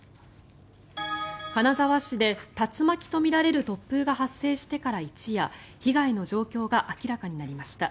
金沢市で竜巻とみられる突風が発生してから一夜被害の状況が明らかになりました。